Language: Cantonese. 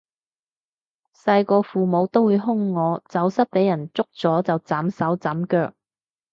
細個父母都會兇我走失畀人捉咗就斬手斬腳